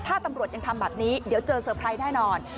ถ้าตำรวจยังทำแบบนี้เดี๋ยวเจอเตอร์ไพรส์แน่นอน